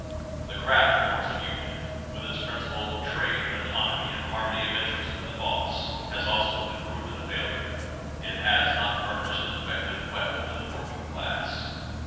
The craft form of union, with its principle of trade autonomy, and harmony of interest with the boss, has also been proven a failure. It has not furnished an effective weapon to the working class.